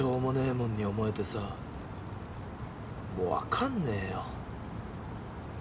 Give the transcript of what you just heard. もんに思えてさもうわかんねぇよ。